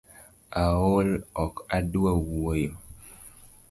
Aol ok adua wuoyo